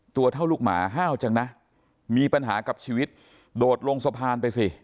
ตัวเท่าลูกหมาห้าวจังนะมีปัญหากับชีวิตโดดลงสะพานไปสิ